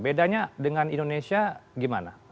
bedanya dengan indonesia gimana